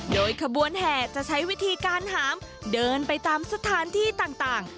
โดยขบวนแห่จะใช้วิธีการหามเดินไปตามสถานที่ต่าง